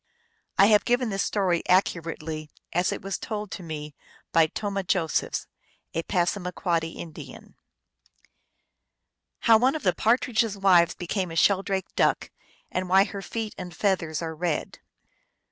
I have given this story accurately as it was told to me by Tomah Josephs, a Passamaquoddy Indian. Hoiv one of the Partridge s Wives became a Sheldrake Duck, and why her Feet and Feathers are Red.